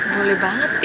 boleh banget pi